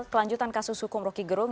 kelanjutan kasus hukum roky gerung